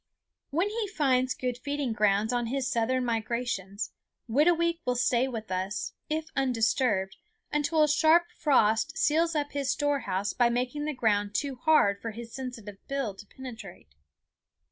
When he finds good feeding grounds on his southern migrations Whitooweek will stay with us, if undisturbed, until a sharp frost seals up his storehouse by making the ground too hard for his sensitive bill to penetrate.